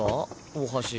大橋。